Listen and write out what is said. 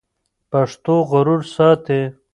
پښتو غرور ساتي.